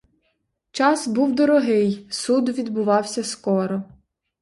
Час був дорогий, суд відбувався скоро.